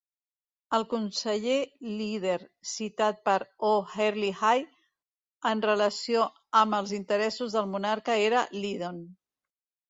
El conseller líder citat per O'Herlihy en relació amb els interessos del monarca era Lydon.